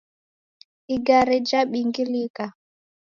Igare jabingilika